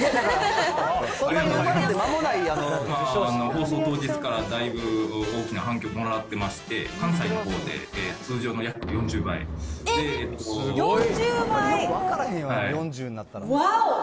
放送当日から、だいぶ大きな反響をもらってまして、関西のほうで通常の約４０倍えっ、４０倍？